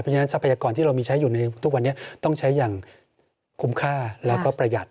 เพราะฉะนั้นทรัพยากรที่เรามีใช้อยู่ในทุกวันนี้ต้องใช้อย่างคุ้มค่าแล้วก็ประหยัด